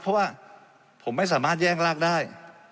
เพราะว่าผมไม่สามารถแย่งลากได้